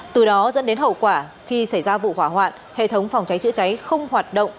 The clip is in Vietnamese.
từ đó dẫn đến hậu quả khi xảy ra vụ hỏa hoạn hệ thống phòng cháy chữa cháy không hoạt động